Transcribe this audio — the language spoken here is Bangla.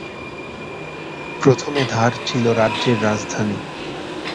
প্রথমে ধার ছিল রাজ্যের রাজধানী।